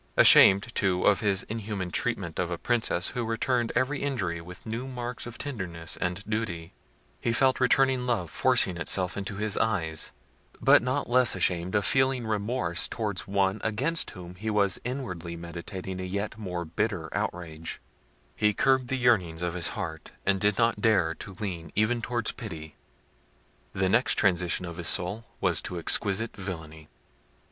Ashamed, too, of his inhuman treatment of a Princess who returned every injury with new marks of tenderness and duty, he felt returning love forcing itself into his eyes; but not less ashamed of feeling remorse towards one against whom he was inwardly meditating a yet more bitter outrage, he curbed the yearnings of his heart, and did not dare to lean even towards pity. The next transition of his soul was to exquisite villainy.